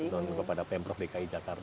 dan kepada pemprov dki jakarta